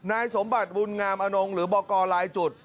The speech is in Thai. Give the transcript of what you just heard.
นายสมบัติบุญงามอนงหรือบอกกรลายจุด